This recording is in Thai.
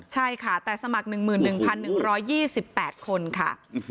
ใช่ค่ะแต่สมัคร๑๑๑๒๘คนค่ะ